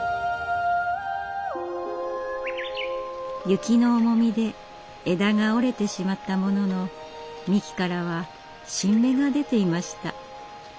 雪の重みで枝が折れてしまったものの幹からは新芽が出ていました。